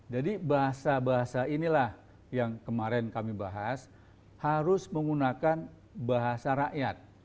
jadi bahasa bahasa inilah yang kemarin kami bahas harus menggunakan bahasa rakyat